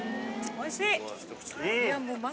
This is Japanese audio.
おいしいわ。